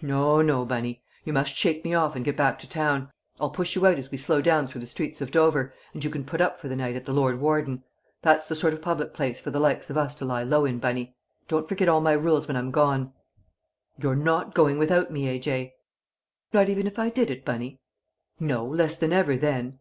"No, no, Bunny! You must shake me off and get back to town. I'll push you out as we slow down through the streets of Dover, and you can put up for the night at the Lord Warden. That's the sort of public place for the likes of us to lie low in, Bunny. Don't forget all my rules when I'm gone." "You're not going without me, A.J." "Not even if I did it, Bunny?" "No; less than ever then!"